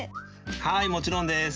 はいもちろんです。